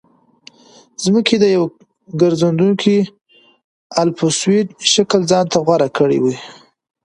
ځمکې د یو ګرځېدونکي الپسویډ شکل ځان ته غوره کړی دی